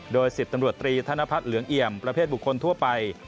โดย๑๐ตำรวจตรีธนพัฒน์เหลืองเอี่ยมประเภทบุคคลทั่วไป